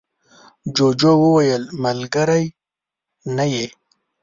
جوجو وویل ملگری نه یې.